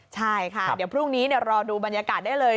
ใช่ค่ะเดี๋ยวพรุ่งนี้รอดูบรรยากาศได้เลย